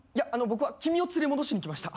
僕は君を連れ戻しに来ました。